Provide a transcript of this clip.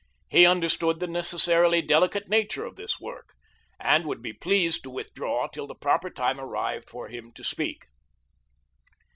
He understood the necessarily delicate nature of this work, and would be pleased to withdraw till the proper time arrived for him to speak.